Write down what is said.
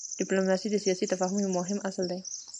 ډيپلوماسي د سیاسي تفاهم یو مهم اصل دی.